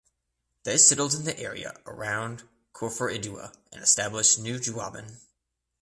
They settled in the area around Koforidua and established New Juaben.